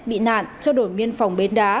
bị nạn cho đội biên phòng bến đá